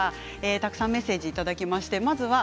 たくさんメッセージをいただきました。